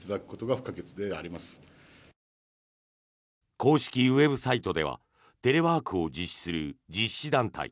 公式ウェブサイトではテレワークを実施する実施団体。